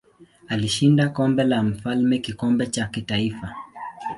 Alishinda Kombe la Mfalme kikombe cha kitaifa.